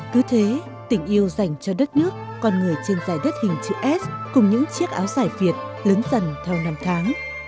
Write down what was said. cứ thế tình yêu dành cho đất nước con người trên dài đất hình chữ s cùng những chiếc áo dài việt lớn dần theo năm tháng